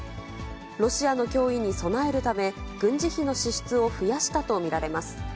ロシアの脅威に備えるため、軍事費の支出を増やしたと見られます。